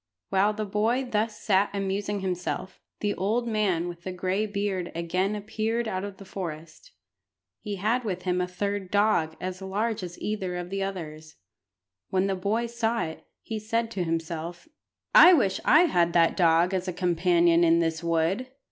While the boy thus sat amusing himself, the old man with the gray beard again appeared out of the forest. He had with him a third dog as large as either of the others. When the boy saw it, he said to himself "I wish I had that dog as a companion in this wood.